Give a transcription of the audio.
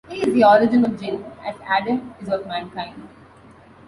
He is the origin of Jinn as Adam is of Mankind.